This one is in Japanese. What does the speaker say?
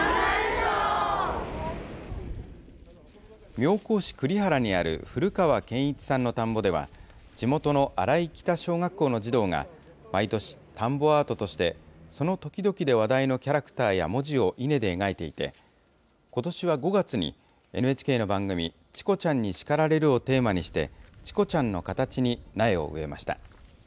妙高市栗原にある古川賢一さんの田んぼでは、地元の新井北小学校の児童が、毎年、田んぼアートとして、その時々で話題のキャラクターや文字を稲で描いていて、ことしは５月に、ＮＨＫの番組、チコちゃんに叱られる！をテーマにして、チコちゃんの形に苗を植えました。